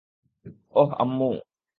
ওহ, আম্মু।